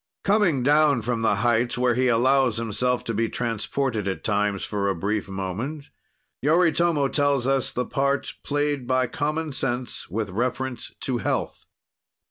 Coming down from the heights where he allows himself to be transported at times for a brief moment, Yoritomo tells us the part played by common sense with reference to health.